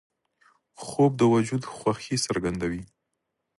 خوب د وجود خوښي څرګندوي